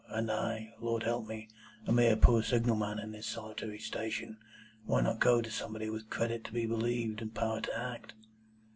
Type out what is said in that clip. And I, Lord help me! A mere poor signal man on this solitary station! Why not go to somebody with credit to be believed, and power to act?"